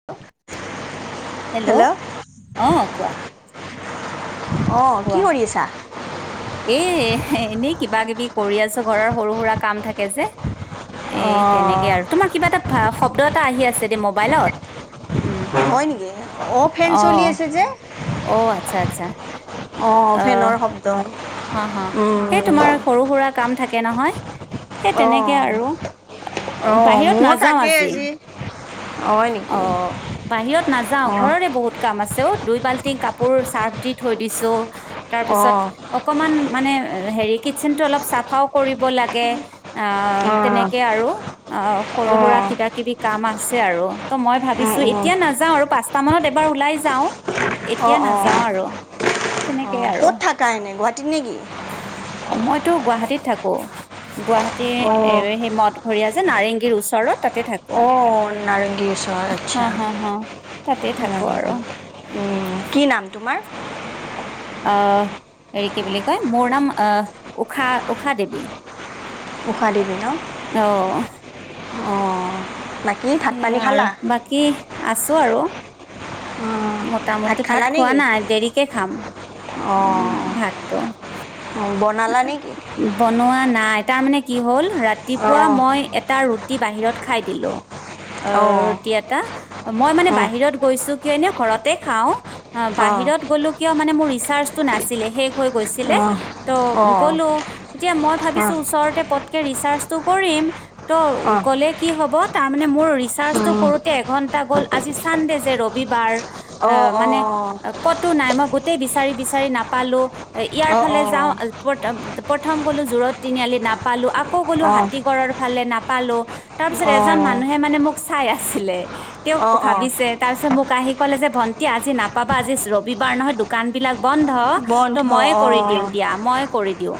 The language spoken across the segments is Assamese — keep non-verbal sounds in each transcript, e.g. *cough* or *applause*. *inaudible* হেল্ল'! অ' কোৱা। অ' কি কোৱা কৰি আছা? এ এনেই কিবাকিবি কৰি আছো, ঘৰৰ সৰুসুৰা কাম থাকে যে। এ তেনেকে অঁ আৰু তোমাৰ কিবা এটা শব্দ এটা আহি আছে দেই মবাইলত। হয় নেকি? অ' ফেন চলি আছে যে। অ আচ্ছা আচ্ছা অ' আহ ফেনৰ শব্দ। হা হা সেই তোমাৰ সৰু সুৰা কাম থাকে নহয় সেই অঁ তেনেকে আৰু, অঁ মোৰ বাহিৰত নাযাওঁ তাকেই আজি। হয় নেকি অ, বাহিৰত নাযাও অঁ ঘৰৰে বহুত কাম আছে অ দুই বাল্টি কাপোৰ চাৰ্ফ দি থৈ দিছো, তাৰপিছত অঁ অকমান মানে হেৰি কিটচেনটো চাফাও কৰিব লাগে আ অঁ তেনেকেই আৰু, সৰু-সুৰা অঁ কিবা কিবি কাম আছে আৰু। ত মই অঁ ভাবিছো এতিয়া নাজাও আৰু, পাঁচটা মানত এবাৰ উলাই যাও। অঁ এতিয়া অঁ অঁ নাযাও আৰু তেনেকেই আৰু। ক'ত থাকা এনে গুৱাহাটীত নেকি মই তোৰ গুৱাহাটীত থাকো, গুৱাহাটীৰ অঁ এৱেহিমত। নাৰেংগীৰ ওচৰত তাতে থাকো। অ, নাৰেংগিৰ ওচৰত হ আচ্ছা। হ হ তাতে থাকো আৰু উম। কি নাম তোমাৰ? অ, হেৰি কি বুলি কয় মোৰ নাম আ ঊষা দেৱী। ঊষা দেৱী ন, অ অ। সেইয়া আৰু বাকী আছো আৰু। অঁ ভাত মোটামুটি ভাট খালা খোৱা নেকি নাই, দেৰিকে খাম। উম। অঁ ভাতটো অঁ বনালা নেকি বনোৱা নাই তাৰ মানে কি হ'ল ৰাতিপুৱা মই এটা ৰুটি বাহিৰত খাই দিলো। অ অঁ অঁ ৰুটি এটা মই মানে বাহিৰত গৈছো কিয় এনে মানে ঘৰতে খাওঁ অ অঁ অঁ বাহিৰত গ'লো কিয় মানে মোৰ ৰিচাৰ্জটো নাছিলে, শেষ হৈ গৈছিলে অঁ ত অঁ অঁ অঁ গ'লো এতিয়া মই ভাবিছো ওচৰতে পত তকে ৰিচাৰ্চটো কৰিম ত' অঁ অঁ অঁ গ'লে কি হ'ব তাৰমানে মোৰ ৰিচাৰজটো কৰোতে এঘন্টা মান গ'ল আজি ছানডে যে ৰবিবাৰ অ অঁ মানে ক'তো নাই মই গোটেই বিচাৰি বিচাৰি নাপালো ইয়াৰ ফালে যাওঁ প্ৰথম গ'লো জোৰত তিনিআলি নাপালো, আকৌ গ'লো অঁ হাতী গড়ৰ ফালে নাপালো তাৰপিছত অঁ এজন মানুহে মানে মোক চাই আছিলে, তেওঁ অঁ অঁ ভাবিছে তাৰপিছত মোক আহি ক'লে যে ভণ্টি আজি নাপাবা আজি ৰবিবাৰ নহয় দোকান বিলাক বন্ধ বন্ধ ত' ময়েই অঁ কৰি দিওঁ দিয়া ময়েই কৰি দিওঁ।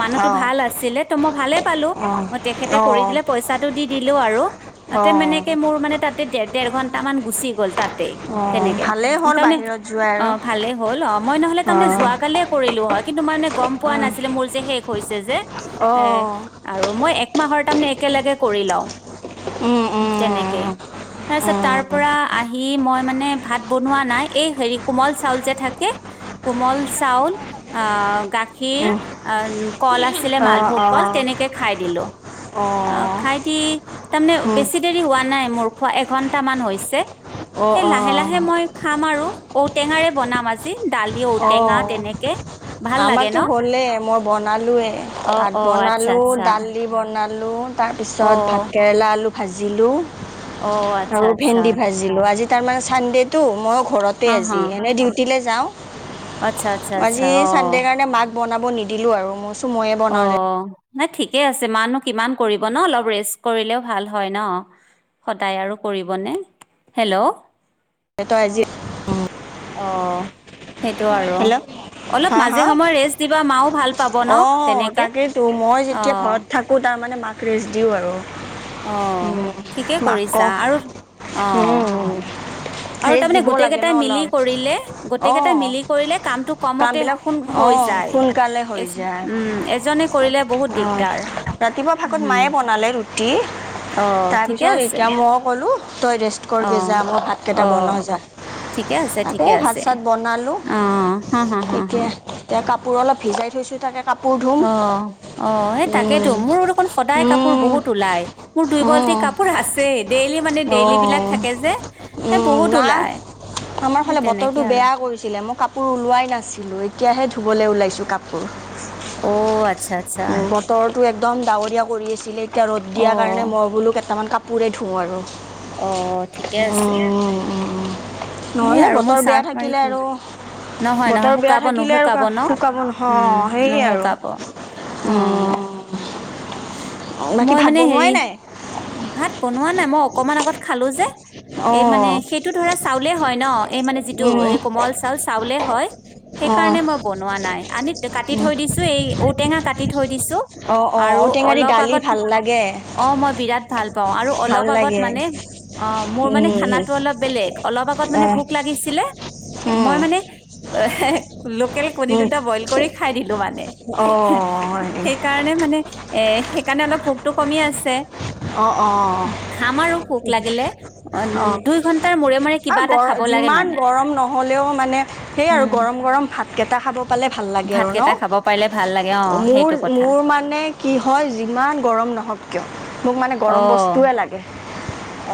মানুহটো অঁ ভাল আছিলে, ত মই ভালে পালো অঁ তেখেতে কৰি অঁ দিলে পইচা টো দি দিলো আৰু মানে অঁ তেনেকেই মোৰ মানে তাতেই দেৰ ঘন্টা মান গুচি গ'ল। তাতেই অঁ তেনেকে ভালেই হ'ল তাৰমানে বাহিৰত যোৱা অ আৰু ভালেই হ'ল, অ মই নহ'লে অঁ তাৰমানে যোৱা কালিয়েই কৰিলো হয় কিন্তু মানে গ'ম পোৱা নাছিলো মোৰ যে শেষ হৈছে যে এ অঁ আৰু মই একমাহৰ তাৰমানে একেলগে কৰি লওঁ। অঁ তেনেকে। তাৰপিছত তাৰপৰা আহি মই মানে ভাত বনোৱা নাই, এই হেৰি কোমল চাউল যে থাকে কোমল চাউল আ গাখীৰ আ কল আছিলে মালভোগ অঁ অঁ কল তেনেকে খাই দিলো আ অঁ খাই দি তাৰমানে উম, বেছি দেৰি হোৱা নাই মোৰ খোৱা এঘন্টা মান হৈছে, অ', সেই লাহে অ', লাহে মই খাম আৰু ঔটেঙাৰে বনাম আজি, দালি ঔটেঙা তেনেকে। ভাল লাগে ন আমাৰটো হ'লেই, মই বনালোৱে অ ভাত অ আচ্ছা বনালো, আচ্ছা দালি বনালোঁ, অ তাৰপিছত ভাতকেৰেলা আলু ভাজিলো অ আচ্ছা আৰু আচ্ছা ভেন্দি ভাজিলো। আজি তাৰমানে চানডেটো মই ঘৰতে অ হ আজি, এনেই ডিউটিলে যাওঁ। আচ্ছা। আচ্ছা আচ্ছা আজি অ চানদে কাৰণে মাক বনাব নিদিলো আৰু মো অ নাই ঠিকে আছে মা নো কিমান কৰিব ন অলপ ৰেষ্ট কৰিলেও ভাল হয় ন। সদায় আৰু কৰিবনে? হেল্ল। তই আজি অ সেইটো আৰু। হেল্ল' অলপ হা, মাজে হা, সময়ে ৰেষ্ট দিবা মাও ভাল পাব ন অ', তেনেকে, অহ। কু তাৰমানে মাক ৰেষ্ট দিওঁ আৰু। অহ উম, ঠিকেই কৰিছা মাকক আৰু অহ। উম, আৰু ৰেষ্ট তাৰমানে দিব গোটেই লাগে কেইটাই ন' মিলি অলপ। কৰিলে গোটেই কেইটাই অ', মিলি ক কৰিলে কামটো কমতে কামবিলাক হৈ অ', যায় সোনকালে হৈ এছ যায়। উম এজনে কৰিলে বহুত অ', দিগদাৰ। ৰাতিপুৱা ভাগত উম, মায়ে বনালে ৰুটি অ', ঠিকে তাৰপিছত আছে এতিয়া মই ক'লো তই ৰেষ্ট কৰ গে অ', যা মই ভাতকেইটা অ', বনাওঁ যা, ঠিকে আছে তাকে ঠিকে ভাত আছে। চাত বনালোঁ। অ', হা, হা, হা, হা, এতিয়া এতিয়া কাপোৰ অলপ ভিজাই থৈছো তাকে কাপোৰ ধু অ অ সেই তাকেতো মোৰ দেখোন সদায় কাপোৰ উম, বহুত ওলাই। মোৰ দুই বালটি উম, কাপোৰ আছেই ডেইলি মানে ডেইল বিলাক অ', থাকে যে এ উম, বহুত না ওলাই। আমাৰ এই ফালে তেনেকে বতৰটো আৰু বেয়া কৰিছিলে মই কাপোৰ ওলোৱাই নাছিলো এতিয়াহে ধুবলে ওলাইছো কা পোৰ। অ', আচ্ছা, আচ্ছা, বতৰটো একদম ডাৱৰীয়া কৰি আছিলে, এতিয়া ৰ'দ দিয়াৰ কাৰণে অ'। মই বোলো কেইটামান কা পোৰেই ধোওঁ আৰু। অ। ঠিকে আছে, উম উম, এই নহ'লে আৰু মই বতৰ বেয়া চাৰ্ফ মাৰি থাকিলে থৈ আৰু নহয়, নহয় বতৰ বেয়া শুকাব থাকিলে আৰু নুশুকাব ন? নোশুকাব অহ উম, সেয়ে আৰু। নুশুকাব অ', উম বাকী মই ভাত মানে হেৰি বনোৱাই নাই? ভাত বনোৱা নাই, মই অকমান আগত খালো যে। এই অঁ মানে সেইটো ধৰা চাউলে হয় ন এই মানে যিটো উম এই কোমল চাউল চাউলে হয়। অঁ সেইকাৰণে মই বনোৱা নাই, আনি কাটি থৈ দিছোঁ, এই ঔটেঙা কাটি থৈ দিছোঁ। অহ অহ ঔ অলপ আগত, অ মই বিৰাট ভাল পাওঁ আৰু ভাল অলপ আগত লাগে মানে অ মোৰ মানে উম খানাটো অলপ বেলেগ, অলপ আগত মানে অঁ ভোক লাগিছিলে মই উম মানে এহে লোকেল কণী উম দুটা বইল কৰি খাই দিলো মানে হা সেই অঁ সেইকাৰণে মানে এ সেইকাৰণে অলপ ভোকটো কমি আছে। অঁ অঁ খাম আৰু ভোক লাগিলে অ অঁ দুই ঘন্টাৰ মূৰে মূৰে কিবা আৰু এটা গৰ, খাব লাগে যিমান মানে গৰম নহ'লেও মানে সেইয়া উম, গৰম গৰম ভাতকেইটা পালে ভাল লাগে আৰু ন, ভাতকেইটা খাব পাৰিলে ভাল লাগে অ সেইটো মোৰ কথা। মোৰ মানে কি হয় যিমান গৰম নহওঁক কিয় মোক মানে অ গৰম বস্তুৱে লাগে।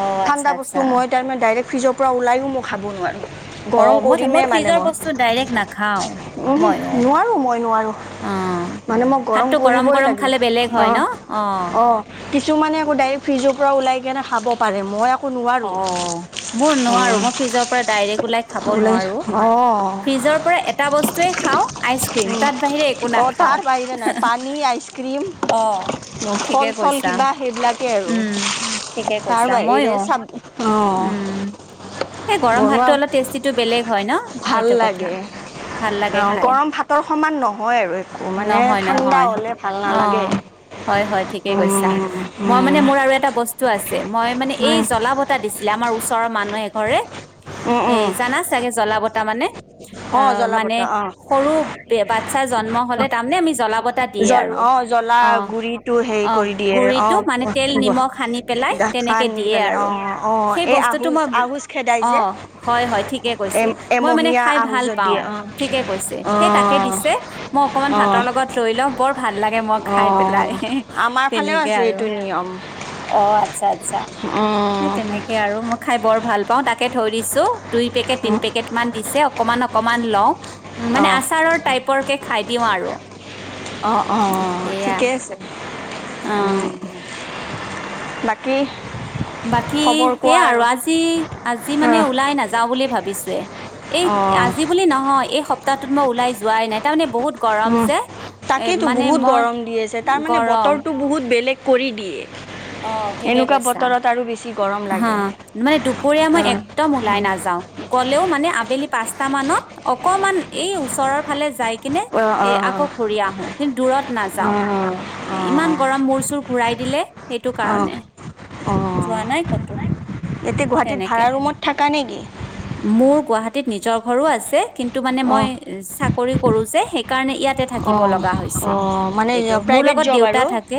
অ আচ্ছা ঠাণ্ডা বস্তু আচ্ছা মই তাৰমানে ডাইৰেক্ট ফ্ৰিজৰ পৰা ওলাইও মই খাব নোৱাৰোঁ। গৰম অঁ মই মই কৰিমেই ফ্ৰিজৰ বস্তু ডাইৰেক্ট নাখাওঁ। ওহোঁ নোৱাৰোঁ মই নোৱাৰোঁ। মানে মই গৰম ভাতটো কৰিবই গৰম খালে লাগিব বেলেগ হয় অ ন অ কিছুমানে আকৈ ডাইৰেক্ট ফ্ৰিজৰ পৰা ওলাই কেনে খাব পাৰে মই আকৌ নোৱাৰোঁ অঁ মোৰ নোৱাৰো অঁ মই ফ্ৰিজৰ পৰা ডাইৰেক্ট ওলাই খাব নোৱাৰোঁ, অঁ ফ্ৰিজৰ পৰা এটা বস্তুৱে খাওঁ আইচক উম' অ' তাৰ বাহিৰে নাই পানী, আইচক্ৰীম অ উম' ঠিকে ফল চল কৈছা কিবা সেইবিলাকেই আৰু উম ঠিকে তাৰ কৈছা বাহিৰে মইয়ো চাব উম অঁ এই গৰম ভাতটো অলপ টেষ্টিটো বেলেগ হয় ন, সেইটো কথা। ভাল লাগে অঁ খাই গৰম ভাতৰ সমান নহয় আৰু একো মানে নহয় ঠাণ্ডা নহয় হ'লে ভাল অ নালাগে। হয় হয় উম, ঠিকে উম, কৈছা, মই মানে মোৰ আৰু এটা বস্তু আছে, মই মানে এই উম, জ্বলা বতা দিছিলে আমাৰ ওচৰৰ মানুহ এঘৰে উম, এ উম, জানা চাগে জ্বলা বতা মানে। অ' অঁ জ্বলা মানে বটা অ' সৰু বে বাচ্ছাৰ জন্ম হ'লে তাৰমানে আমি জ্বলা বত তা দিয়ে জল আৰু অ' জ্বলা অ' গুৰিটো হেৰি অ' কৰি দিয়ে গুৰিটো অ' মানে তেল নিমখ সানি পেলাই তেনেকে সানি দিয়ে পেলাই আৰু অ' অ' সেই এই বস্তুটো আহোজ মই আহোজ খেদাই যে অ' হয় হয় ঠিকে এ কৈছে, মই মানে এমহীয়া খাই ভাল আহোজত পাওঁ। দিয়ে অ' ঠিকে কৈছে, সেই তাকে অ' দিছে মই অকমান ভাতৰ অঁ লগত লৈ লওঁ বৰ ভাল লাগে মই খাই পেলাই, অঁ আমাৰ ফালেও তেনেকে আছে আৰু এইটো নিয়ম অঁ আটচ্ছা আটচ্ছা। অঁ সেইয়াই আৰু মই খাই বৰ ভাল পাওঁ তাকে থৈ দিছো, দুই পেকেট তিন পেকেট মান দিছে অকমান অকমান লওঁ, মানে আচাৰৰ টাইপৰ কে খাই দিওঁ আৰু অঁ অঁ সেয়া ঠিকে আছে। অ', উম' বাকী বাকী খবৰ কোৱা সেয়া আৰু আজি আজি মানে ওলাই নাযাওঁ বুলি ভাবিছে এই অঁ আজি বুলি নহয়, এই সপ্তাহটোত মই ওলাই যোৱাই নাই, তাৰমানে বহুত গৰম অঁ যে। এ তাকেইেতো মানে বহুত মই গৰম দি আছে, তাৰ মানে গৰম বতৰটো বহুত বেলেগ কৰি দিয়ে। *inaudible* অঁ ঠিকে এনেকুৱা কৈছা, বতৰত আৰু বেছি গৰম হা লাগে মানে দুপৰীয়া মই অঁ একদম ওলাই নাযাওঁ। গ'লেও মানে আবেলি পাঁচটা মানত অকমান এই ওচৰৰ ফালে যাই কিনে অঁ এ আকৌ ঘূৰি আহো কিন্তু দূৰত অঁ নাযাওঁ। এ অঁ ইমান গৰম মূৰ চুৰ ঘূৰাই দিলে। টো অঁ কাৰণে অঁ যোৱা নাই ক'তো এতিয়া গুৱাহাটীত তেনেকে ভাড়া ৰুমত থাকা নেকি মোৰ গুৱাহাটীত নিজৰ ঘৰো আছে কিন্তু মানে মই অঁ চা কৰি কৰোঁ যে সেইকাৰণে ইয়াত তে থাকিব অঁ লগা হৈছে, অঁ মানে এইটো মোৰ প্ৰাইভেট লগত জব দেউতা আৰু থাকে,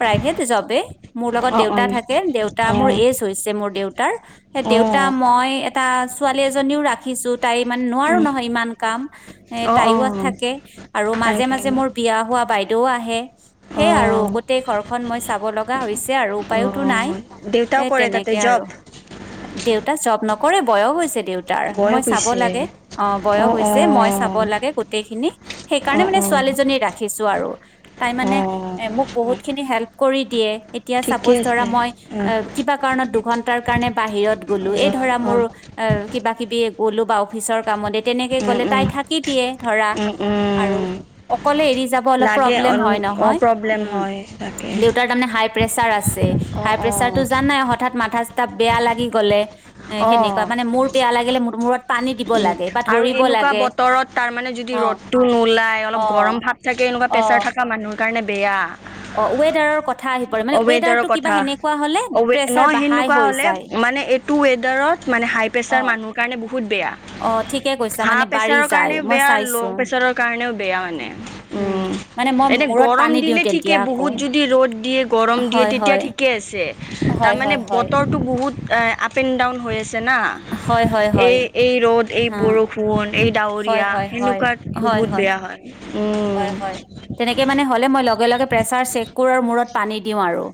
প্ৰাইভেট জবে মোৰ লগত দেউতা থাকে। দেউতা মোৰ এজ হৈছে মোৰ দেউতাৰ, সেই দেউতা ম মই এটা ছোৱালী এজনীও ৰাখিছোঁ। তাই মানে, নোৱাৰো নহয় ইমান কাম, এ অ অ তাইও থাকে আৰু তাই মাজে তাই মাজে মোৰ বিয়া হোৱা বাইদেউও আহে, অ সেই আৰু গোটেই ঘৰখন মই চাব লগ গা হৈছে আৰু অ উপায়োতো নাই, দেউতাও এ কৰে তাতে তেনেকে জব আৰু দেউতা জব নকৰে, বয়স হৈছে দেউ তাৰ মই বয়স চাব হৈছে লাগে, অ' বয়স হৈছে মই চাব লাগে গোটেই খিনি অ অ সেইকাৰণে মানে ছোৱালীজনী ৰাখিছোঁ আৰু তাই অ অ মানে মোক বহুতখিনি হেল্প কৰি দিয়ে এতিয়া ঠিকে চাপচ ধৰা আছে মই অ এ কিবা কাৰণত দুঘন্টাৰ কাৰণে বাহিৰত গলো এই ধৰা অ মোৰ এ কিবা কিবি গ'লো বা অফিচৰ কামতে তেনেকে উম গ'লে উম তাই থাকি দিয়ে ধৰা উম আৰু, উম অকলে এৰি যাব অলপ লাগে প্ৰব্লেম হয় অ নহয়। প্ৰব্লেম উম হয় তাকে দেউতাৰ তাৰ মানে হাই প্ৰেচাৰ আছে অ হাই অ প্ৰেচাৰ টো জানা নাই হঠাৎ মাথা চাথা বেয়া লাগি গলে, এ অ সেনেকুৱা মানে মোৰ বেয়া লাগিলে মোৰ মূৰত পানী দিব উম লাগে। বা আৰু ধৰিব এনেকুৱা লাগে বতৰত তাৰ মানে যদি অ ৰ'দটো নোলাই অলপ অ গৰম ভাব থাকে এনেকুৱা অ প্ৰেচাৰ থকা মানুহ। কাৰনে বেয়া। অ ৱেডাৰৰ কথা আহি পৰে মানে অবেদাৰ ৱেডাৰটো কিবা কথা সেনেকুৱা হলে অবি প্ৰেচাৰ নহয় বা হাই হেনেকুৱা হৈ হলে যায় মানে এই, টু ৱেদাৰত মানে হাই অ প্ৰেছাৰ মানুহৰ কাৰণে বহুত বেয়া। অ ঠিকে কৈছা হা মানে বাঢ়ি প্ৰেচাৰ যায় কাৰণেও মই বেয়া চাইছো ল' প্ৰেচাৰৰ কাৰণেও বেয়া মানে উ। উম মানে মই এনে মূৰত গৰম পানী দিওঁ দিলে ঠিকে তেতিয়া আকৌ বহুত যদি ৰ'দ দিয়ে গৰম দিয়ে হয় তেতিয়া হয় ঠিক ঠিকে আছে হয় তাৰমানে হয় হয় বতৰটো বহুত আপ এণ্ড ডাউন হৈ আছে। না হয় হয় হয় এই এই ৰ'দ এই হা বৰষুণ এই হয় ডাৱৰীয়া হয় হয় সেনেকুৱাত হয় বহুত বেয়া হয়। উম হয় হয় তেনেকে মানে হ'লে মই লগে লগে প্ৰেছাৰ চেক কৰো মূৰত পানী দিওঁ আৰু।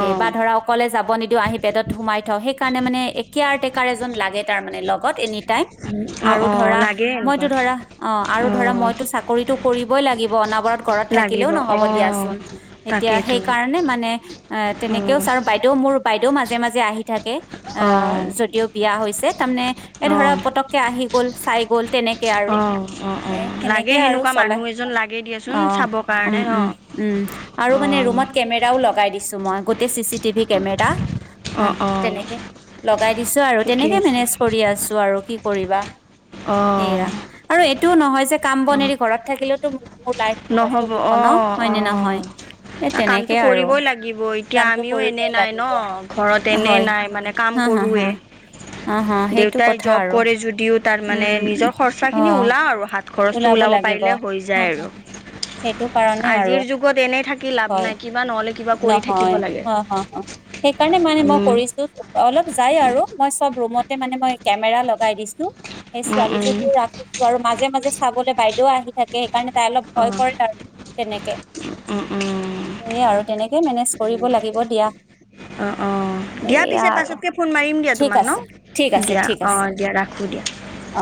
অ বা ধৰাউক, অকলে যাব নিদিওও আহি পেদত সোমাই থওঁ সেইকাৰণে মানে কেয়াৰটেকাৰ এজন লাগে তাৰ মানে লগত এনে তাই অ আৰু অ ধৰা লাগে মইটো এনেকুৱা ধৰা অ আৰু ধৰা অ মইটো চাক কৰিতো কৰিবই লাগিব অনবৰত, ঘৰত থাকিলেও লাগিব নহব দিয়া অ', চোন এতিয়া তাকেইতো হেই কাৰণে মানে এ তেনেকেও অ', চাম বাইদেউ মোৰ বাইদেউ মাজে মাজে আহি থাকে। আ, অ', যদিও বিয়া হৈছে তাৰমানে এ ধৰা অ', পতককে আহি গ'ল চাই গ'ল। তেনেকে আৰু অ', অ', এ অ', লাগে সেনেকে আৰু। সেনেকুৱা চলে। মানুহ এজন লাগে দিয়াচোন অ চাবৰ উ কাৰণে ন উ উ আৰু মানে অ', ৰুমত কেমেৰাও লগাই দিছো মই। গোটেই চি চি টিভি কেমেৰা অ তেনেকে লগাই দিছো আৰু ঠিকে তেনেকে আছে মেনেজ, কৰি আছো আৰু কি কৰিবা সেয়া অ', আৰু এইটোও নহয় যে কাম বন অ', এৰি, থাকিলেতো, নহব অ অ নহয় এই তেনেকে কামতটো আৰু কৰিবই লাগিবই। এতিয়া কামটো আমিও এনে কৰিবই নাই ন লাগিব ঘৰত এনে হয় নাই মানে কাম হা, হা, হা, কৰোয়ে। হা, হা সেইটো দেউতাই কথা জব আৰু কৰে যদিও তাৰ মানে উম, নিজৰ খৰচা খিনি অ', ওলাও আৰু হাত, খৰচটো ওলাব পাৰিলে হৈ হা যায় হা আৰু। হা সেইটো কাৰণে আৰু আজিৰ যুগত এনে থাকি লাভ হয় নাই কিবা নহ'লে কিবা কৰি থাকিব নহয়, লাগে। অ', অ', অ', সেইকাৰণে মানে মই উম, কৰিছো। অলপ যাই আৰু মই চব ৰুমতে মানে মই কেমেৰা লগাই দিছো সেই উম, উম, ছোৱালীজনীও ৰা আৰু মাজে মাজে চাবলৈ বাইদেউও আহি থাকে সেইকাৰণে তাই অলপ ভয় অ', কৰে আৰু তেনেকে। উম উ। হেয়া আৰু তেনেকে মেনেজ কৰিব লাগিব দিয়া। অ, অ দিয়া সেয়া পিছে আৰু পাছতকে ফোন মাৰিম দিয়া ঠিক তোমাক ন আছে, ঠিক আছে, দিয়া ঠিক অ আছে, দিয়া ৰাখো দিয়া। অ।